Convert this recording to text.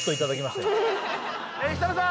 設楽さん！